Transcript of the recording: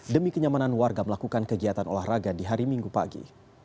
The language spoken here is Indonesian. demi kenyamanan warga melakukan kegiatan olahraga di hari minggu pagi